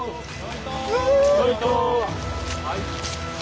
はい。